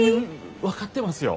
分かってますよ。